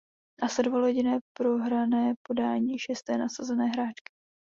Následovalo jediné prohrané podání šesté nasazené hráčky.